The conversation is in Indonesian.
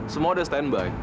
semua udah standby